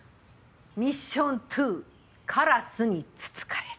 ミッション２カラスにつつかれる。